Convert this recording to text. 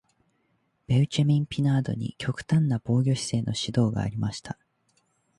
ベウチェミン・ピナードに極端な防御姿勢の指導がありました。